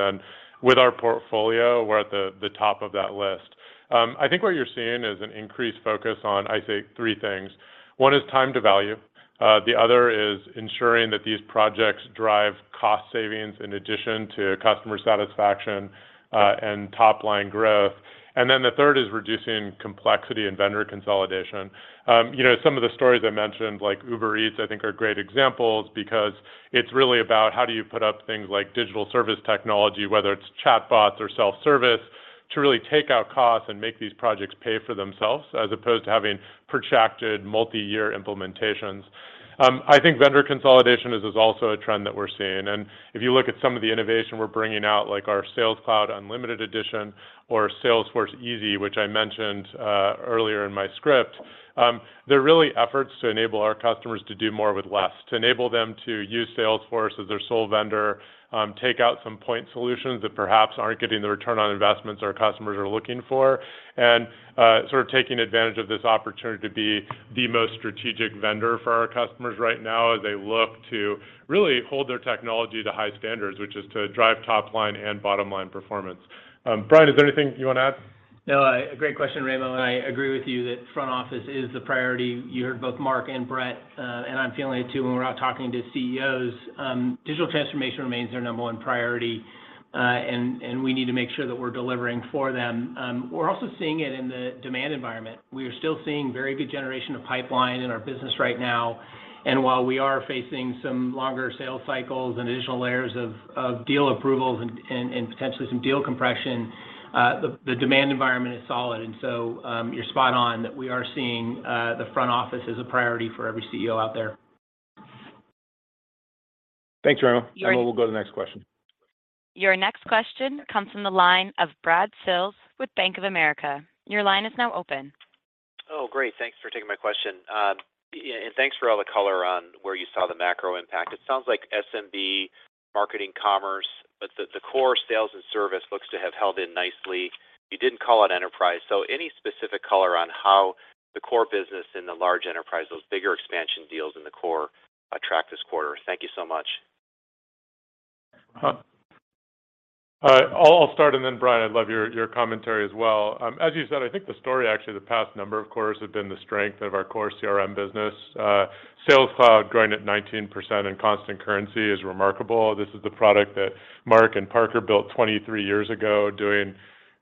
E: With our portfolio, we're at the top of that list. I think what you're seeing is an increased focus on, I'd say, three things. One is time to value. The other is ensuring that these projects drive cost savings in addition to customer satisfaction, and top-line growth. Then the third is reducing complexity and vendor consolidation. You know, some of the stories I mentioned, like Uber Eats, I think are great examples because it's really about how do you put up things like digital service technology, whether it's chatbots or self-service, to really take out costs and make these projects pay for themselves as opposed to having protracted multi-year implementations. I think vendor consolidation is also a trend that we're seeing. If you look at some of the innovation we're bringing out, like our Sales Cloud Unlimited Edition or Salesforce Easy, which I mentioned earlier in my script, they're really efforts to enable our customers to do more with less, to enable them to use Salesforce as their sole vendor, take out some point solutions that perhaps aren't getting the return on investments our customers are looking for, and sort of taking advantage of this opportunity to be the most strategic vendor for our customers right now as they look to really hold their technology to high standards, which is to drive top-line and bottom-line performance. Brian, is there anything you wanna add?
H: No, great question, Raimo, and I agree with you that front office is the priority. You heard both Marc and Bret, and I'm feeling it too when we're out talking to CEOs, digital transformation remains their number one priority, and we need to make sure that we're delivering for them. We're also seeing it in the demand environment. We are still seeing very good generation of pipeline in our business right now. While we are facing some longer sales cycles and additional layers of deal approvals and potentially some deal compression, the demand environment is solid. You're spot on that we are seeing the front office as a priority for every CEO out there.
E: Thanks, Raimo.
A: Your-
E: Raimo, we'll go to the next question.
A: Your next question comes from the line of Brad Sills with Bank of America. Your line is now open.
J: Oh, great. Thanks for taking my question. Yeah, thanks for all the color on where you saw the macro impact. It sounds like SMB, marketing, commerce, but the core sales and service looks to have held in nicely. You didn't call out enterprise, so any specific color on how the core business in the large enterprise, those bigger expansion deals in the core, tracked this quarter? Thank you so much.
E: I'll start and then Brian, I'd love your commentary as well. As you said, I think the story actually the past number of quarters have been the strength of our core CRM business. Sales Cloud growing at 19% in constant currency is remarkable. This is the product that Marc and Parker built 23 years ago doing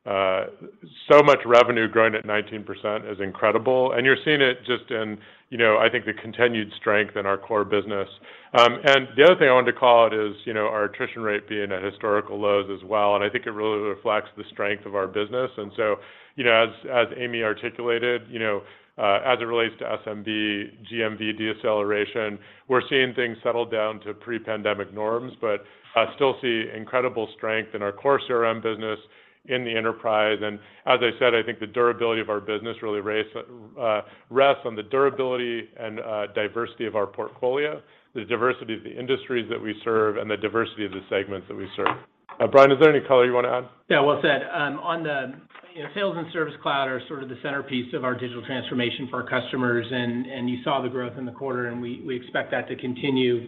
E: So much revenue growing at 19% is incredible. You're seeing it just in, you know, I think the continued strength in our core business. The other thing I wanted to call out is, you know, our attrition rate being at historical lows as well, and I think it really reflects the strength of our business. You know, as Amy articulated, you know, as it relates to SMB, GMV deceleration, we're seeing things settle down to pre-pandemic norms, but still see incredible strength in our core CRM business in the enterprise. As I said, I think the durability of our business really rests on the durability and diversity of our portfolio, the diversity of the industries that we serve, and the diversity of the segments that we serve. Brian, is there any color you want to add?
H: Yeah, well said. Sales and Service Cloud are sort of the centerpiece of our digital transformation for our customers, and you saw the growth in the quarter, and we expect that to continue.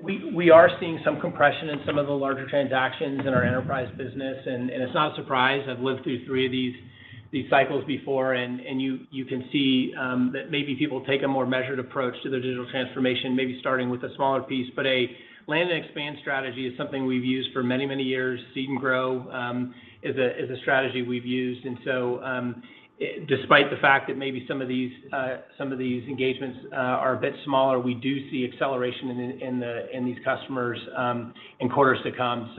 H: We are seeing some compression in some of the larger transactions in our enterprise business, and it's not a surprise. I've lived through three of these cycles before, and you can see that maybe people take a more measured approach to their digital transformation, maybe starting with a smaller piece. A land and expand strategy is something we've used for many, many years. Seed and grow is a strategy we've used. Despite the fact that maybe some of these engagements are a bit smaller, we do see acceleration in these customers in quarters to come.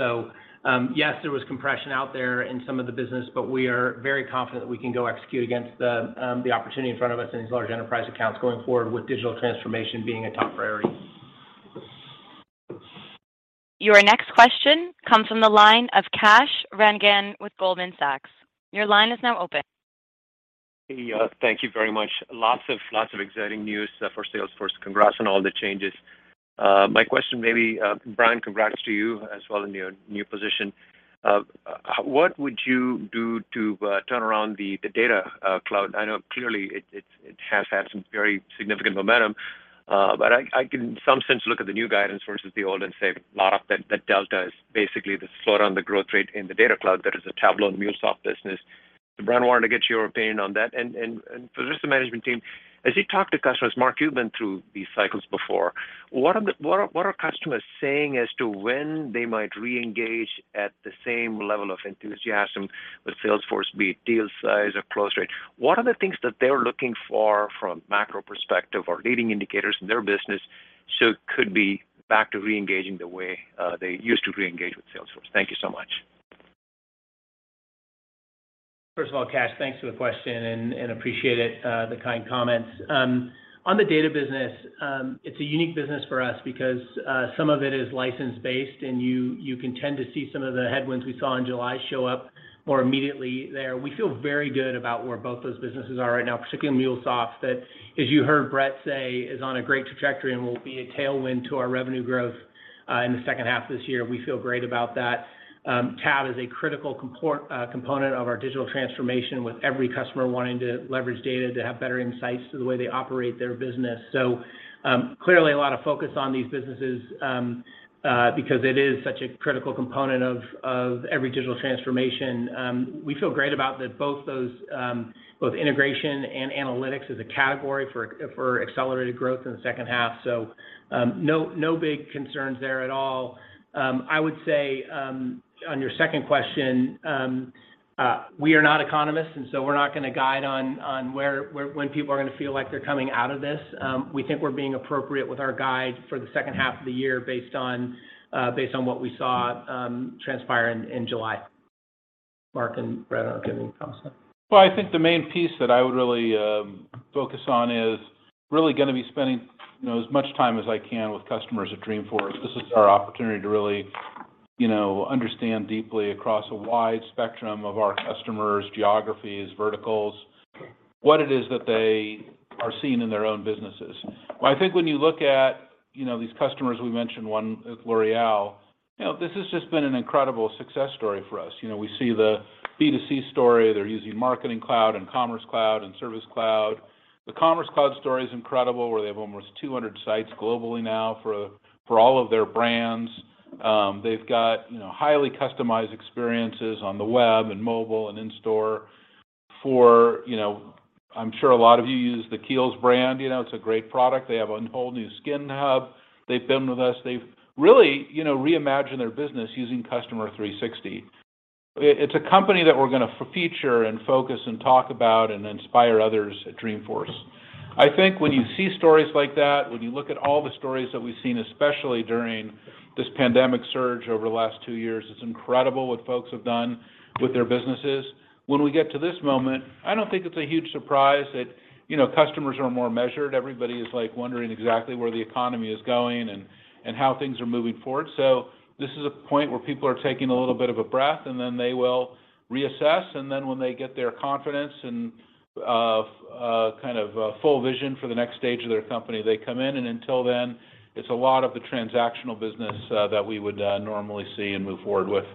H: Yes, there was compression out there in some of the business, but we are very confident that we can go execute against the opportunity in front of us in these large enterprise accounts going forward with digital transformation being a top priority.
A: Your next question comes from the line of Kash Rangan with Goldman Sachs. Your line is now open.
K: Hey, thank you very much. Lots of exciting news for Salesforce. Congrats on all the changes. My question maybe, Brian, congrats to you as well in your new position. What would you do to turn around the Data Cloud? I know clearly it has had some very significant momentum, but I can in some sense look at the new guidance versus the old and say a lot of that delta is basically the slowdown in the growth rate in the Data Cloud, Tableau and MuleSoft business. Brian, I wanted to get your opinion on that. For the rest of the management team, as you talk to customers, Marc, you've been through these cycles before, what are customers saying as to when they might reengage at the same level of enthusiasm with Salesforce, be it deal size or close rate? What are the things that they're looking for from macro perspective or leading indicators in their business, so could be back to reengaging the way they used to reengage with Salesforce? Thank you so much.
H: First of all, Kash, thanks for the question and appreciate it, the kind comments. On the data business, it's a unique business for us because some of it is license-based, and you can tend to see some of the headwinds we saw in July show up more immediately there. We feel very good about where both those businesses are right now, particularly MuleSoft, that, as you heard Bret say, is on a great trajectory and will be a tailwind to our revenue growth in the second half of this year. We feel great about that. Tableau is a critical component of our digital transformation, with every customer wanting to leverage data to have better insights to the way they operate their business. Clearly a lot of focus on these businesses, because it is such a critical component of every digital transformation. We feel great about both integration and analytics as a category for accelerated growth in the second half. No big concerns there at all. I would say, on your second question, we are not economists, and so we're not gonna guide on when people are gonna feel like they're coming out of this. We think we're being appropriate with our guide for the second half of the year based on what we saw transpire in July. Marc and Bret, I'll give any comments.
C: Well, I think the main piece that I would really focus on is really gonna be spending, you know, as much time as I can with customers at Dreamforce. This is our opportunity to really, you know, understand deeply across a wide spectrum of our customers, geographies, verticals, what it is that they are seeing in their own businesses. Well, I think when you look at, you know, these customers, we mentioned one with L'Oréal, you know, this has just been an incredible success story for us. You know, we see the B2C story. They're using Marketing Cloud and Commerce Cloud and Service Cloud. The Commerce Cloud story is incredible, where they have almost 200 sites globally now for all of their brands. They've got, you know, highly customized experiences on the web and mobile and in store for, you know, I'm sure a lot of you use the Kiehl's brand. You know, it's a great product. They have a whole new Skin Hub. They've been with us. They've really, you know, reimagined their business using Customer 360. It's a company that we're gonna feature and focus and talk about and inspire others at Dreamforce. I think when you see stories like that, when you look at all the stories that we've seen, especially during this pandemic surge over the last two years, it's incredible what folks have done with their businesses. When we get to this moment, I don't think it's a huge surprise that, you know, customers are more measured. Everybody is, like, wondering exactly where the economy is going and how things are moving forward. This is a point where people are taking a little bit of a breath, and then they will reassess. When they get their confidence and kind of full vision for the next stage of their company, they come in. Until then, it's a lot of the transactional business that we would normally see and move forward with.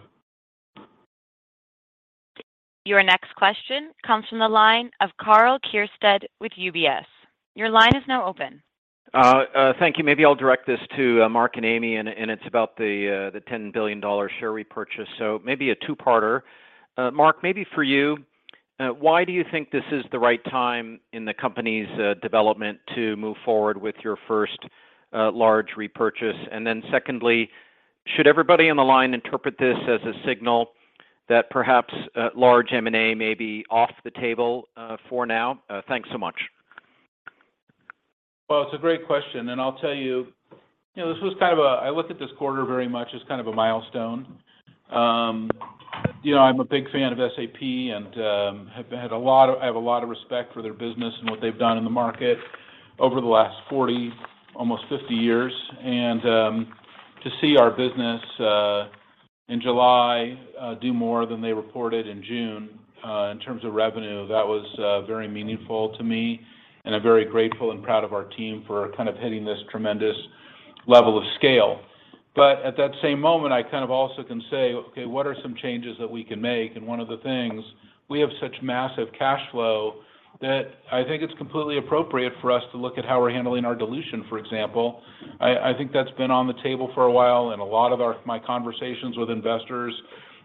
A: Your next question comes from the line of Karl Keirstead with UBS. Your line is now open.
L: Thank you. Maybe I'll direct this to Marc and Amy, and it's about the $10 billion share repurchase, so maybe a two-parter. Marc, maybe for you why do you think this is the right time in the company's development to move forward with your first large repurchase? Secondly, should everybody on the line interpret this as a signal that perhaps a large M&A may be off the table for now? Thanks so much.
C: Well, it's a great question, and I'll tell you know, this was kind of a milestone. I look at this quarter very much as kind of a milestone. You know, I'm a big fan of SAP and have a lot of respect for their business and what they've done in the market over the last 40, almost 50 years. To see our business in July do more than they reported in June in terms of revenue, that was very meaningful to me, and I'm very grateful and proud of our team for kind of hitting this tremendous level of scale. At that same moment, I kind of also can say, "Okay, what are some changes that we can make?" One of the things, we have such massive cash flow that I think it's completely appropriate for us to look at how we're handling our dilution, for example. I think that's been on the table for a while, and a lot of my conversations with investors,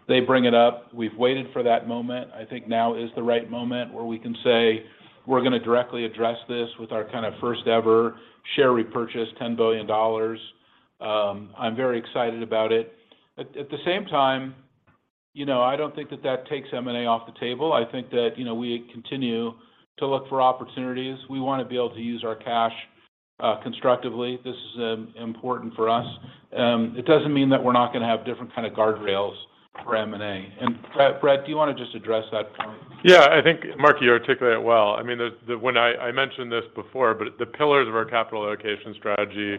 C: they bring it up. We've waited for that moment. I think now is the right moment where we can say we're gonna directly address this with our kind of first-ever share repurchase, $10 billion. I'm very excited about it. At the same time, you know, I don't think that takes M&A off the table. I think that, you know, we continue to look for opportunities. We wanna be able to use our cash constructively. This is important for us. It doesn't mean that we're not gonna have different kind of guardrails for M&A. Bret, do you wanna just address that point?
E: Yeah. I think, Marc, you articulate it well. I mean, when I mentioned this before, but the pillars of our capital allocation strategy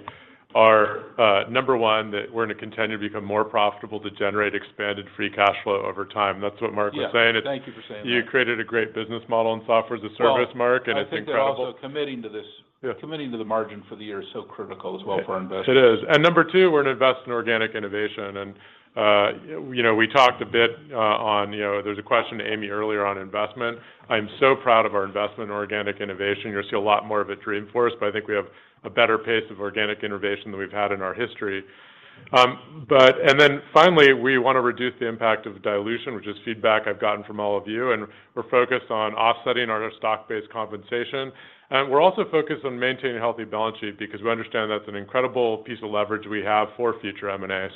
E: are, number one, that we're gonna continue to become more profitable to generate expanded free cash flow over time. That's what Marc was saying.
C: Yeah. Thank you for saying that.
E: You created a great business model and software as a service, Marc, and it's incredible.
C: Well, I think they're also committing to this.
E: Yeah.
C: Committing to the margin for the year is so critical as well for our investors.
E: It is. Number two, we're gonna invest in organic innovation. You know, we talked a bit on, you know, there's a question to Amy earlier on investment. I'm so proud of our investment in organic innovation. You'll see a lot more of it Dreamforce, but I think we have a better pace of organic innovation than we've had in our history. Finally, we wanna reduce the impact of dilution, which is feedback I've gotten from all of you, and we're focused on offsetting our stock-based compensation. We're also focused on maintaining a healthy balance sheet because we understand that's an incredible piece of leverage we have for future M&A.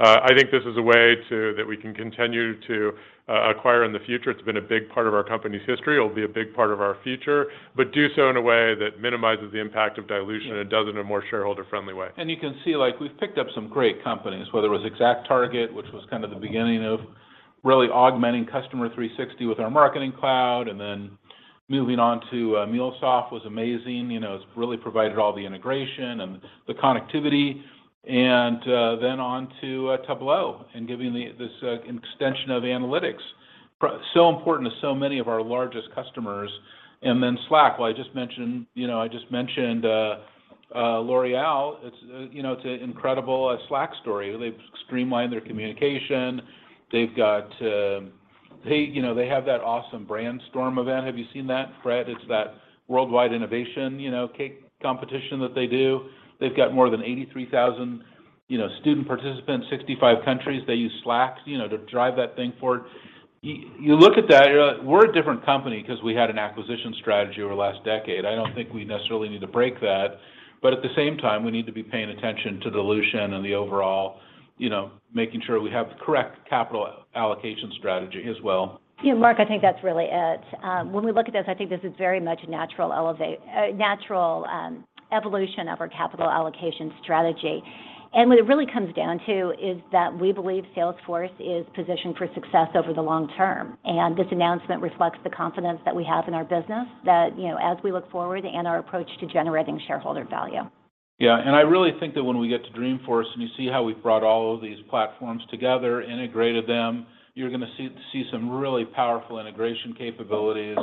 E: I think this is a way that we can continue to acquire in the future. It's been a big part of our company's history. It'll be a big part of our future, but do so in a way that minimizes the impact of dilution, and does it in a more shareholder-friendly way.
C: You can see, like, we've picked up some great companies, whether it was ExactTarget, which was kind of the beginning of really augmenting Customer 360 with our Marketing Cloud, and then moving on to MuleSoft was amazing. You know, it's really provided all the integration and the connectivity. Then on to Tableau and giving this extension of analytics. So important to so many of our largest customers. Slack, well, I just mentioned, you know, L'Oréal. It's, you know, it's an incredible Slack story. They've streamlined their communication. They've got, you know, they have that awesome Brandstorm event. Have you seen that, Bret? It's that worldwide innovation, you know, competition that they do. They've got more than 83,000, you know, student participants, 65 countries. They use Slack, you know, to drive that thing forward. You look at that, you're like, we're a different company 'cause we had an acquisition strategy over the last decade. I don't think we necessarily need to break that. At the same time, we need to be paying attention to dilution and the overall, you know, making sure we have the correct capital allocation strategy as well.
D: Yeah. Marc, I think that's really it. When we look at this, I think this is very much a natural evolution of our capital allocation strategy. What it really comes down to is that we believe Salesforce is positioned for success over the long term, and this announcement reflects the confidence that we have in our business that, you know, as we look forward and our approach to generating shareholder value.
C: Yeah. I really think that when we get to Dreamforce and you see how we've brought all of these platforms together, integrated them, you're gonna see some really powerful integration capabilities.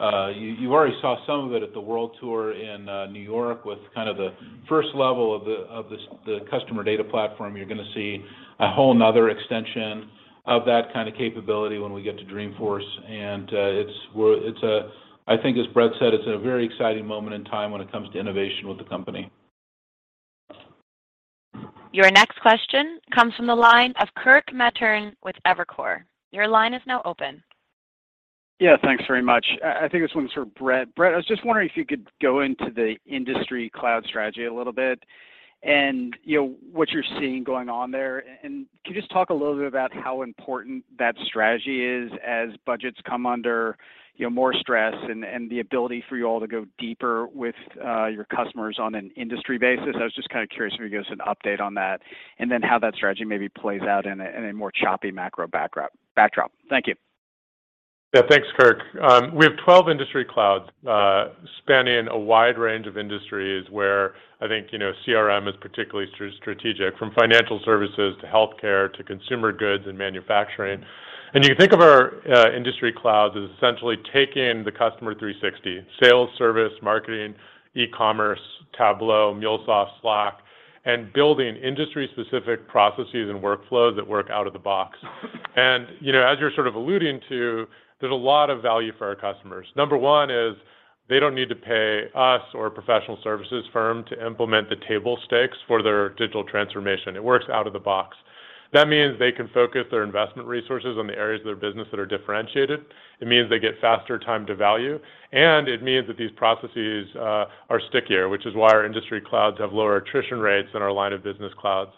C: You already saw some of it at the World Tour in New York with kind of the first level of the Customer Data Platform. You're gonna see a whole nother extension of that kind of capability when we get to Dreamforce. It's a, I think as Bret said, it's a very exciting moment in time when it comes to innovation with the company.
A: Your next question comes from the line of Kirk Materne with Evercore. Your line is now open.
M: Yeah. Thanks very much. I think this one's for Bret. Bret, I was just wondering if you could go into the Industry Cloud strategy a little bit and, you know, what you're seeing going on there. Can you just talk a little bit about how important that strategy is as budgets come under, you know, more stress and the ability for you all to go deeper with your customers on an industry basis? I was just kind of curious if you could give us an update on that, and then how that strategy maybe plays out in a more choppy macro backdrop. Thank you.
E: Yeah. Thanks, Kirk. We have 12 industry clouds spanning a wide range of industries where I think, you know, CRM is particularly strategic, from financial services to healthcare, to consumer goods and manufacturing. You can think of our industry clouds as essentially taking the Customer 360, sales, service, marketing, e-commerce, Tableau, MuleSoft, Slack, and building industry-specific processes and workflows that work out of the box. You know, as you're sort of alluding to, there's a lot of value for our customers. Number one is they don't need to pay us or a professional services firm to implement the table stakes for their digital transformation. It works out of the box. That means they can focus their investment resources on the areas of their business that are differentiated. It means they get faster time to value, and it means that these processes are stickier, which is why our industry clouds have lower attrition rates than our line of business clouds.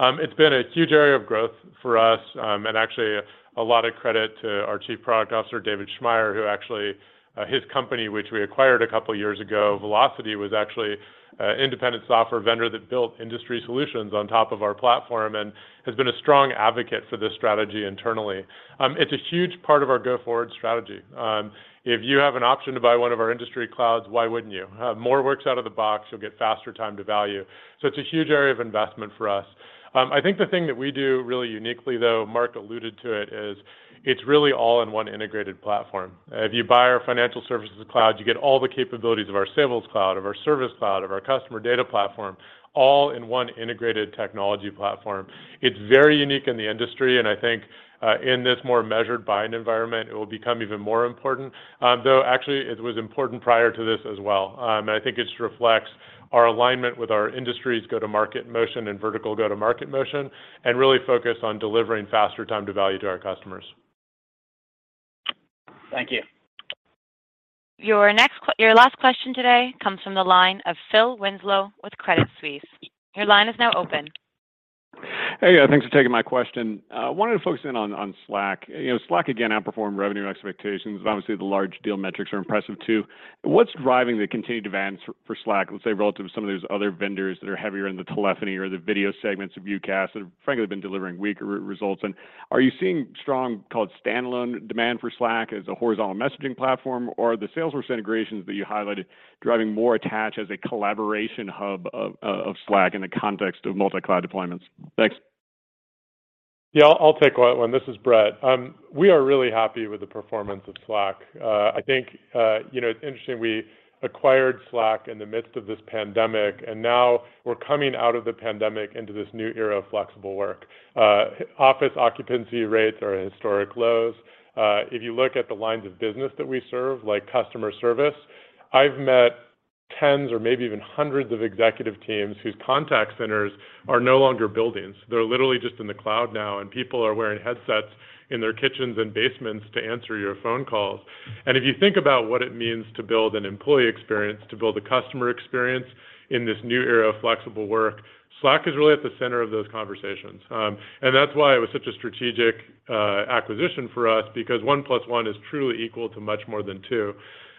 E: It's been a huge area of growth for us, and actually a lot of credit to our Chief Product Officer, David Schmaier, who actually his company, which we acquired a couple of years ago, Vlocity, was actually an independent software vendor that built industry solutions on top of our platform and has been a strong advocate for this strategy internally. It's a huge part of our go-forward strategy. If you have an option to buy one of our industry clouds, why wouldn't you? More works out of the box, you'll get faster time to value. It's a huge area of investment for us. I think the thing that we do really uniquely, though, Marc alluded to it, is it's really all in one integrated platform. If you buy our Financial Services Cloud, you get all the capabilities of our Sales Cloud, of our Service Cloud, of our Customer Data Platform, all in one integrated technology platform. It's very unique in the industry, and I think, in this more measured buying environment, it will become even more important. Though, actually it was important prior to this as well. I think it just reflects our alignment with our industry's go-to-market motion and vertical go-to-market motion and really focus on delivering faster time to value to our customers.
M: Thank you.
A: Your last question today comes from the line of Phil Winslow with Credit Suisse. Your line is now open.
N: Hey, thanks for taking my question. Wanted to focus in on Slack. You know, Slack again outperformed revenue expectations, but obviously the large deal metrics are impressive too. What's driving the continued demand for Slack, let's say, relative to some of those other vendors that are heavier in the telephony or the video segments of UCaaS that have frankly been delivering weaker results? Are you seeing strong, so-called standalone demand for Slack as a horizontal messaging platform or the Salesforce integrations that you highlighted driving more attach as a collaboration hub of Slack in the context of multi-cloud deployments? Thanks.
E: Yeah, I'll take one. This is Bret. We are really happy with the performance of Slack. I think, you know, it's interesting, we acquired Slack in the midst of this pandemic, and now we're coming out of the pandemic into this new era of flexible work. Office occupancy rates are at historic lows. If you look at the lines of business that we serve, like customer service, I've met tens or maybe even hundreds of executive teams whose contact centers are no longer buildings. They're literally just in the cloud now, and people are wearing headsets in their kitchens and basements to answer your phone calls. If you think about what it means to build an employee experience, to build a customer experience in this new era of flexible work, Slack is really at the center of those conversations. That's why it was such a strategic acquisition for us, because one plus one is truly equal to much more than two.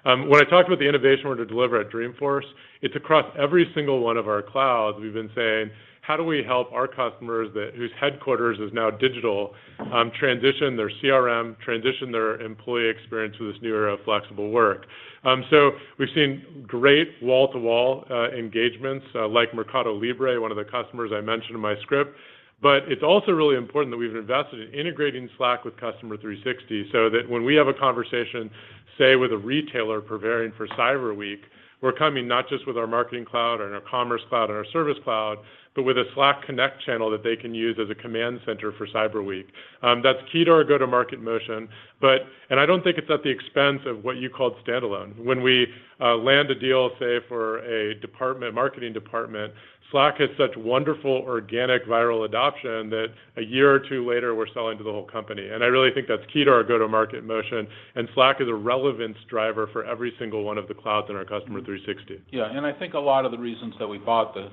E: When I talked about the innovation we're to deliver at Dreamforce, it's across every single one of our clouds. We've been saying, how do we help our customers whose headquarters is now digital, transition their CRM, transition their employee experience to this new era of flexible work? We've seen great wall-to-wall engagements, like Mercado Libre, one of the customers I mentioned in my script. It's also really important that we've invested in integrating Slack with Customer 360, so that when we have a conversation, say, with a retailer preparing for Cyber Week, we're coming not just with our Marketing Cloud and our Commerce Cloud and our Service Cloud, but with a Slack Connect channel that they can use as a command center for Cyber Week. That's key to our go-to-market motion. I don't think it's at the expense of what you call standalone. When we land a deal, say for a department, marketing department, Slack has such wonderful organic viral adoption that a year or two later, we're selling to the whole company. I really think that's key to our go-to-market motion. Slack is a relevance driver for every single one of the clouds in our Customer 360.
C: Yeah. I think a lot of the reasons that we bought the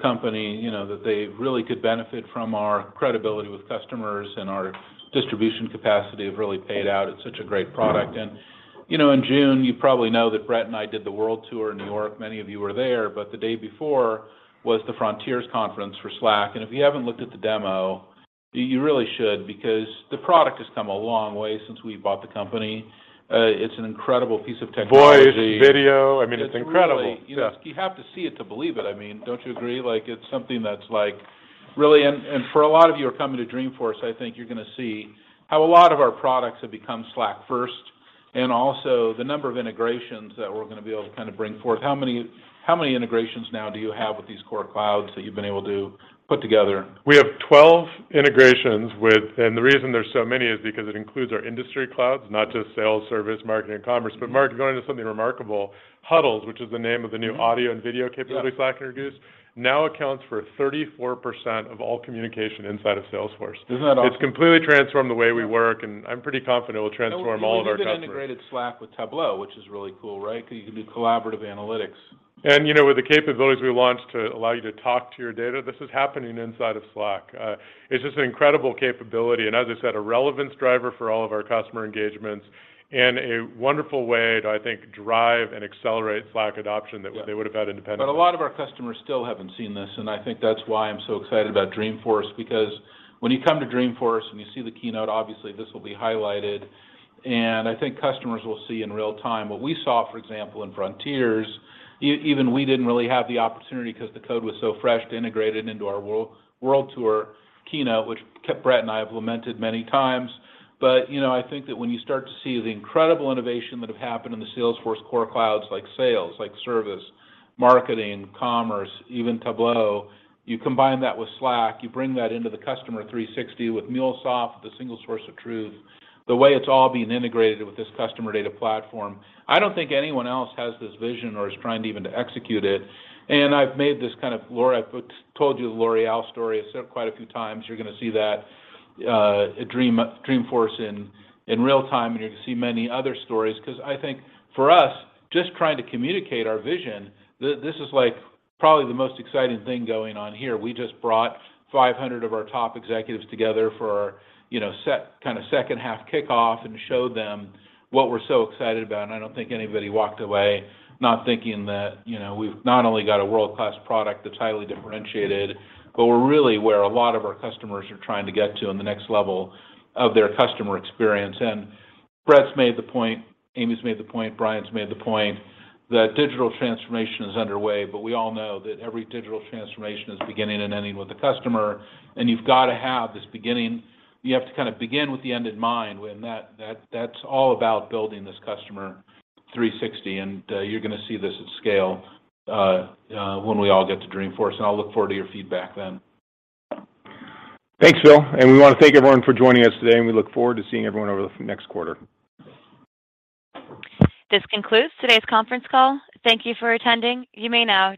C: company, you know, that they really could benefit from our credibility with customers and our distribution capacity have really paid out. It's such a great product. You know, in June, you probably know that Bret and I did the world tour in New York. Many of you were there. The day before was the Frontiers conference for Slack. If you haven't looked at the demo, you really should because the product has come a long way since we bought the company. It's an incredible piece of technology.
E: Voice, video. I mean, it's incredible.
N: It's really. You know, you have to see it to believe it. I mean, don't you agree? Like, it's something that's, like, really. For a lot of you who are coming to Dreamforce, I think you're gonna see how a lot of our products have become Slack first, and also the number of integrations that we're gonna be able to kind of bring forth. How many integrations now do you have with these core clouds that you've been able to put together?
E: We have 12 integrations with. The reason there's so many is because it includes our industry clouds, not just sales, service, marketing, and commerce. Marc, going into something remarkable, Huddles, which is the name of the new audio and video capability Slack introduced, now accounts for 34% of all communication inside of Salesforce.
N: Isn't that awesome?
E: It's completely transformed the way we work, and I'm pretty confident it will transform all of our customers.
C: You even integrated Slack with Tableau, which is really cool, right? 'Cause you can do collaborative analytics.
E: You know, with the capabilities we launched to allow you to talk to your data, this is happening inside of Slack. It's just an incredible capability, and as I said, a relevance driver for all of our customer engagements and a wonderful way to, I think, drive and accelerate Slack adoption that they would have had independently.
C: A lot of our customers still haven't seen this, and I think that's why I'm so excited about Dreamforce, because when you come to Dreamforce and you see the keynote, obviously, this will be highlighted. I think customers will see in real-time what we saw, for example, in Frontiers. Even we didn't really have the opportunity because the code was so fresh to integrate it into our world tour keynote, which Bret and I have lamented many times. You know, I think that when you start to see the incredible innovation that have happened in the Salesforce core clouds like sales, like service, marketing, commerce, even Tableau, you combine that with Slack, you bring that into the Customer 360 with MuleSoft, the single source of truth, the way it's all being integrated with this Customer Data Platform, I don't think anyone else has this vision or is trying even to execute it. I've made this kind of, Laura, I've told you the L'Oréal story. I've said it quite a few times. You're gonna see that at Dreamforce in real-time, and you're gonna see many other stories. 'Cause I think for us, just trying to communicate our vision, this is, like, probably the most exciting thing going on here. We just brought 500 of our top executives together for, you know, kinda second half kickoff and showed them what we're so excited about. I don't think anybody walked away not thinking that, you know, we've not only got a world-class product that's highly differentiated, but we're really where a lot of our customers are trying to get to on the next level of their customer experience. Bret's made the point, Amy's made the point, Brian's made the point that digital transformation is underway, but we all know that every digital transformation is beginning and ending with the customer. You've got to have this beginning. You have to kind of begin with the end in mind when that's all about building this Customer 360. You're gonna see this at scale, when we all get to Dreamforce, and I'll look forward to your feedback then.
E: Thanks, Phil. We wanna thank everyone for joining us today, and we look forward to seeing everyone over the next quarter.
A: This concludes today's conference call. Thank you for attending. You may now disconnect.